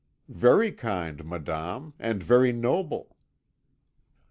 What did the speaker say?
"'Very kind, madame, and very noble.'